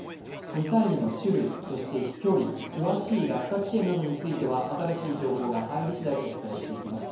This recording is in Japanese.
ミサイルの種類、飛距離、詳しい落下地点などについては新しい情報が入り次第お伝えします。